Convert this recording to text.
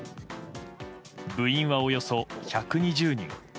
部員は、およそ１２０人。